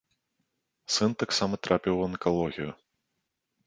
Сын таксама трапіў у анкалогію.